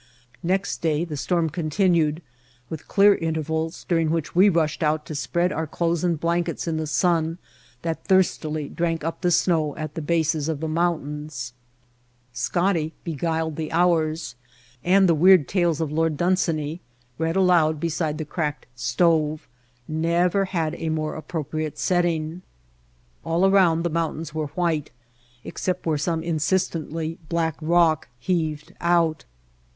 Next day the storm continued, with clear intervals during which we rushed out to spread our clothes and blankets in the sun that thirstily drank up the snow at the bases of the mountains. Snowstorm and Sandstorm ''Scotty" beguiled the hours and the weird tales of Lord Dunsany, read aloud beside the cracked stove, never had a more appropriate setting. All around the mountains were white except where some insistently black rock heaved out.